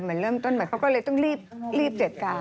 แล้วก็เริ่มต้นใหม่เขาก็ต้องลีบเจ็ดกาย